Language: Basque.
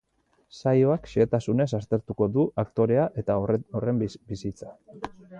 Saioak xehetasunez aztertuko du aktorea eta horren bizitza.